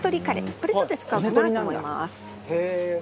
これちょっと使おうかなと思います。